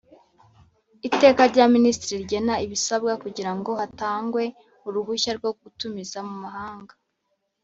Iteka rya Minisitiri rigena ibisabwa kugira ngo hatangwe uruhushya rwo gutumiza mu mahanga